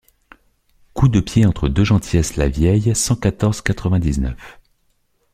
Coup de pied entre deux gentillesses Lavieille cent quatorze quatre-vingt-dix-neuf.